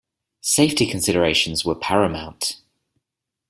Safety considerations were paramount.